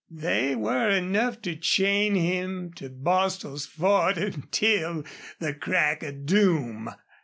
They were enough to chain him to Bostil's Ford until the crack of doom.